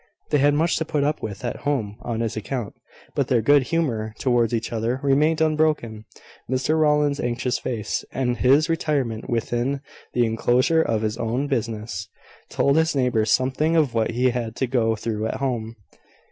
They had much to put up with at home on this account; but their good humour towards each other remained unbroken. Mr Rowland's anxious face, and his retirement within the enclosure of his own business, told his neighbours something of what he had to go through at home.